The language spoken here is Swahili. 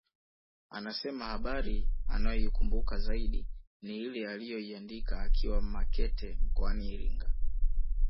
Anasema habari anayoikumbuka zaidi ni ile aliyoiandika akiwa Makete mkoani Iringa